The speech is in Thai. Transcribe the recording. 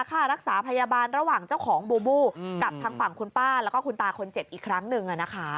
ค่ารักษาพยาบาลระหว่างเจ้าของบูบูกับทางฝั่งคุณป้าแล้วก็คุณตาคนเจ็บอีกครั้งหนึ่ง